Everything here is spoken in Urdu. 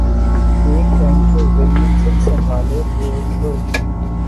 ایک اینڈ تو ولیمسن سنبھالے ہوئے تھے